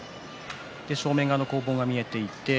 正面側の攻防が見えていて